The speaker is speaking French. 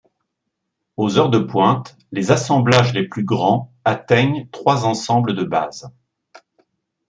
Aux heures de pointes, les assemblages les plus grands atteignent trois ensembles de base.